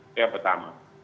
itu yang pertama